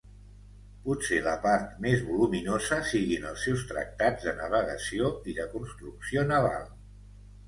Potser la part més voluminosa siguin els seus tractats de navegació i de construcció naval.